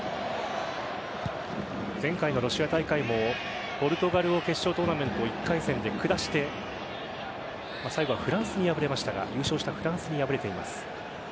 前回のロシア大会もポルトガルを決勝トーナメント１回戦で下して最後は優勝したフランスに敗れています。